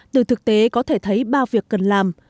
từ thực tế có thể thấy bao việc cần làm